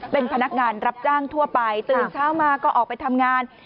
เป็นพนักงานรับจ้างทั่วไปตื่นเช้ามาก็ออกไปทำงาน